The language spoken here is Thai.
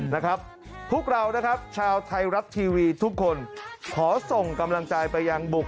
นะครับพวกเรานะครับชาวไทยรัฐทีวีทุกคนขอส่งกำลังใจไปยังบุก